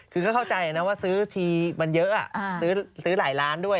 คือก็เข้าใจนะว่าซื้อทีมันเยอะซื้อหลายล้านด้วย